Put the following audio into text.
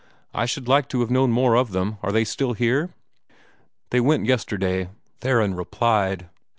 I should like to have known more of them. Are they still here?" "They went yesterday," Theron replied.